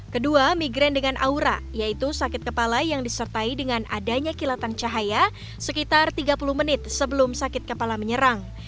kedua migran dengan aura yaitu sakit kepala yang disertai dengan adanya kilatan cahaya sekitar tiga puluh menit sebelum sakit kepala menyerang